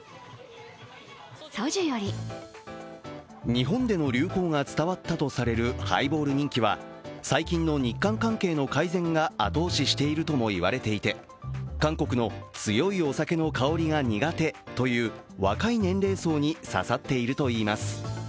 日本での流行が伝わったとされるハイボール人気は最近の日韓関係の改善が後押ししているともいわれていて韓国の強いお酒の香りが苦手という若い年齢層に刺さっているといいます。